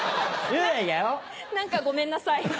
何かごめんなさい。